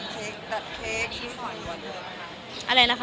ตัดเค้กตัดเค้ก